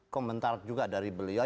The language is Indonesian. komentar juga dari beliau